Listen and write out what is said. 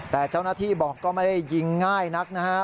แต่เจ้าหน้าที่บอกก็ไม่ได้ยิงง่ายนักนะฮะ